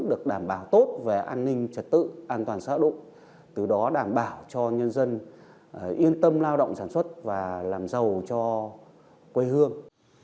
được đảm bảo tốt về an ninh trật tự an toàn xã hội từ đó đảm bảo cho nhân dân yên tâm lao động sản xuất và làm giàu cho quê hương